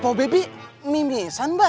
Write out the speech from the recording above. pak bebi mimisan mbak